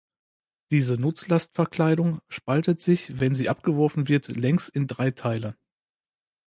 Diese Nutzlastverkleidung spaltet sich, wenn sie abgeworfen wird, längs in drei Teile.